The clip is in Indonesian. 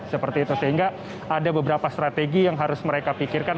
seperti itu sehingga ada beberapa strategi yang harus mereka pikirkan